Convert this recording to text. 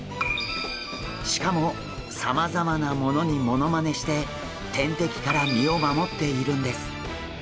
しかもさまざまなものにモノマネして天敵から身を守っているんです。